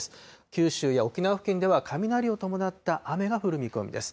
九州や沖縄付近では雷を伴った雨が降る見込みです。